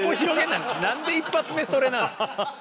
なんで一発目それなんですか？